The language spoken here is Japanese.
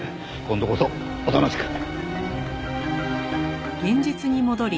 今度こそおとなしく！